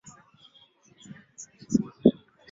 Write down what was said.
kama Wakomunisti na Wamasoni ambayo yanakusudia kabisa kufuta